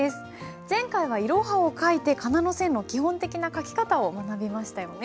前回は「いろは」を書いて仮名の線の基本的な書き方を学びましたよね。